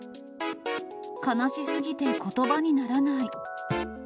悲しすぎて、ことばにならない。